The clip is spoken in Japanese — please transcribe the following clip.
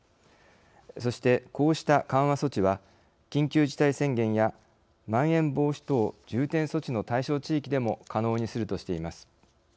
そして、こうした緩和措置は緊急事態宣言やまん延防止等重点措置の対象地域でも可能にするとしています。